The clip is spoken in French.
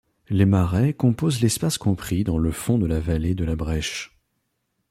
Les marais composent l'espace compris dans le fond de la vallée de la Brêche.